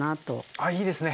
あいいですね。